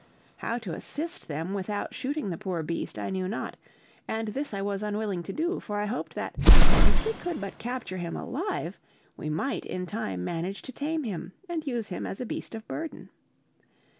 How to assist them without shooting the poor beast I knew not; and this I was unwilling to do, for I hoped that, if we could but capture him alive, we might in time manage to tame him, and use him as a beast of burden.